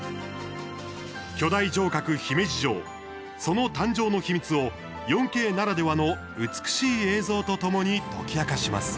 巨大城郭・姫路城その誕生の秘密を４Ｋならではの美しい映像とともに解き明かします。